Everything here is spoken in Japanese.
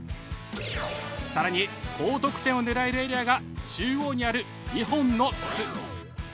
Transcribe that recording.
更に高得点を狙えるエリアが中央にある２本の筒。